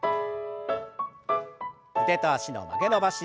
腕と脚の曲げ伸ばし。